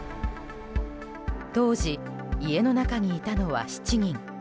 当時、家の中にいたのは７人。